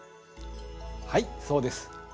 はいそうです。